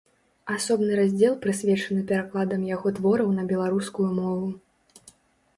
Асобны раздзел прысвечаны перакладам яго твораў на беларускую мову.